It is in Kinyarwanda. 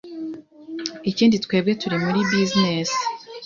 Ikindi twebwe turi muri bizinesi.